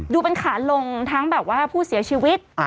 ดูเป็นขาลงทั้งแบบว่าผู้เสียชีวิต